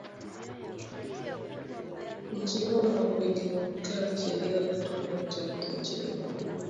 nchi humo kuigeuka sheria za tume ya uchaguzi nchini humo